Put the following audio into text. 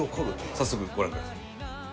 早速ご覧ください。